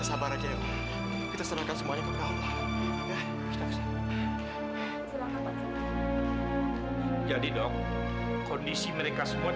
sampai jumpa di video selanjutnya